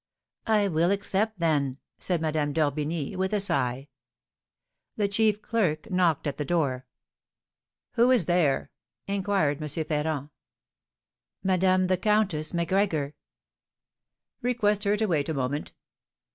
"I will accept, then," said Madame d'Orbigny, with a sigh. The chief clerk knocked at the door. "Who is there?" inquired M. Ferrand. "Madame the Countess Macgregor." "Request her to wait a moment."